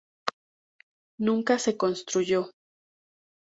Nunca se construyó.